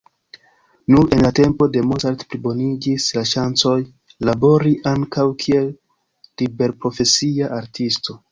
Nur en la tempo de Mozart pliboniĝis la ŝancoj, labori ankaŭ kiel liberprofesia artisto.